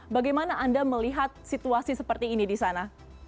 bagaimana anda melihat situasi seperti ini di sana